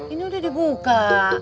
ini udah dibuka